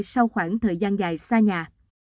sau khoảng thời gian dài xa nhà